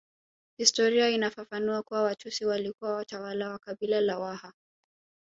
Historia inafafanua kuwa Watusi walikuwa watawala wa kabila la Waha